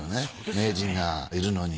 名人がいるのに。